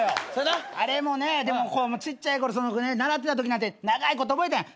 あれもねちっちゃいころ習ってたときなんて長いこと覚えたやん。